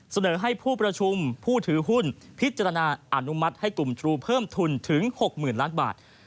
เสนอให้ผู้ประชุมผู้ถือหุ้นพิจารณาอนุมัติให้กลุ่มทรูเพิ่มทุนถึง๖๐๐๐ล้านบาท